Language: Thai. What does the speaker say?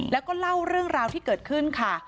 แล้วก็เล่าเรื่องราวที่เกิดขึ้นค่ะ